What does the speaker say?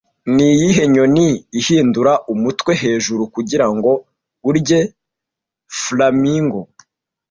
Niyihe nyoni ihindura umutwe hejuru kugirango urye Flamingo